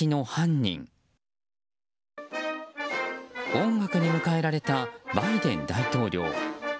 音楽に迎えられたバイデン大統領。